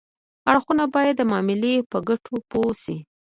اړخونه باید د معاملې په ګټو پوه شي